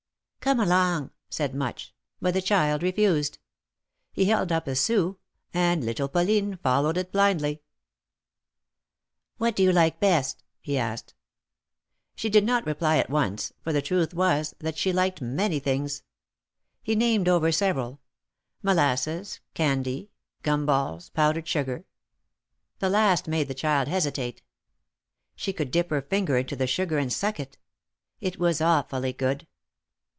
Come along !" said Much ; but the child refused. He held up a sou, and little Pauline followed it blindly. What do you like best? " he asked. THE MARKETS OP PARIS. 231 She did^not reply at once, for the truth was, that she liked many things. He named over several : molasses candy, gum balls, powdered sugar. The last made the child hesitate. She could dip her finger into the sugar and suck it. It was awfully good.